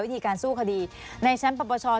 วิธีการสู้คดีในชั้นปรับประชา